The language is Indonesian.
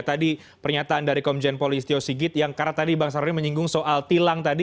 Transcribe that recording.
tadi pernyataan dari komjen pol listio sige yang karena tadi bang sahroni menyinggung soal tilang tadi